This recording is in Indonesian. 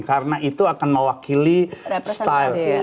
karena itu akan mewakili style